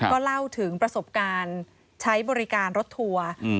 ก็เล่าถึงประสบการณ์ใช้บริการรถทัวร์